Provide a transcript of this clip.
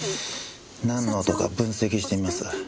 なんの音か分析してみます。